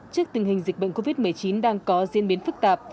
trước tình hình dịch bệnh covid một mươi chín đang có diễn biến phức tạp